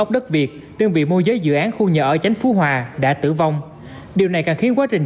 đất việt đơn vị môi giới dự án khu nhà ở chánh phú hòa đã tử vong điều này càng khiến quá trình